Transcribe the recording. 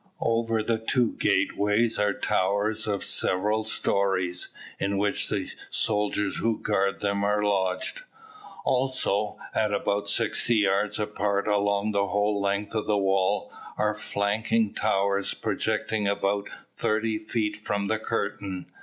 Over the two gateways are towers of several stories, in which the soldiers who guard them are lodged. Also, at about sixty yards apart along the whole length of the wall, are flanking towers projecting about thirty feet from the curtain.